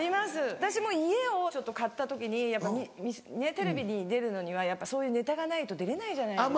私も家を買った時にやっぱテレビに出るのにはそういうネタがないと出れないじゃないですか。